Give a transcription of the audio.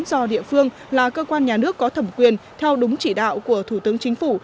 do địa phương là cơ quan nhà nước có thẩm quyền theo đúng chỉ đạo của thủ tướng chính phủ